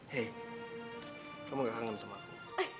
hei kamu gak kangen sama aku